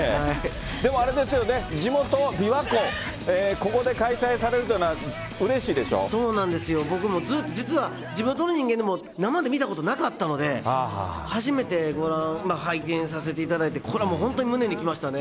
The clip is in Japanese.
でもあれですよね、地元、琵琶湖、ここで開催されるというのそうなんですよ、僕も実は、地元の人間でも、生で見たことなかったので、初めて拝見させていただいて、これはもう本当に胸に来ましたね。